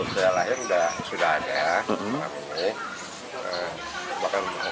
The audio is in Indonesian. sejak lahir sudah ada makam ini